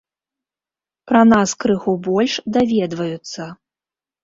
Пра нас крыху больш даведваюцца.